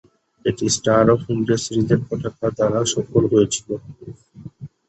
এটি star of India সিরিজের পতাকা দ্বারা সফল হয়েছিল।